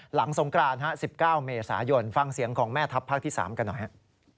สงกราน๑๙เมษายนฟังเสียงของแม่ทัพภาคที่๓กันหน่อยฮะ